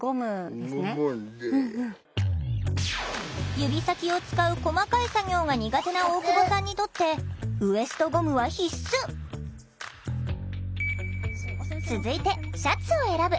指先を使う細かい作業が苦手な大久保さんにとって続いてシャツを選ぶ。